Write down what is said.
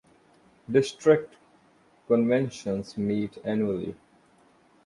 District conventions meet annually.